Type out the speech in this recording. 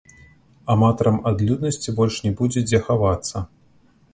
Аматарам адлюднасці больш не будзе дзе хавацца.